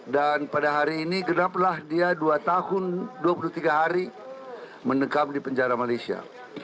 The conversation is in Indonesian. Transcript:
dan pada hari ini genaplah dia dua tahun dua puluh tiga hari menekam di penjara malaysia